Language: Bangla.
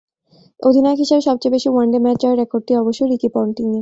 অধিনায়ক হিসেবে সবচেয়ে বেশি ওয়ানডে ম্যাচ জয়ের রেকর্ডটি অবশ্য রিকি পন্টিংয়ের।